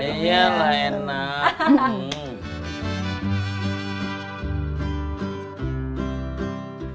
iya lah enak